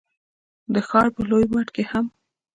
د ښار په لوی واټ کي هم،